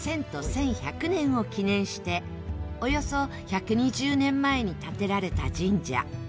１１００年を記念しておよそ１２０年前に建てられた神社。